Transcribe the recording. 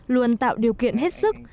luôn tạo điều kiện hết sức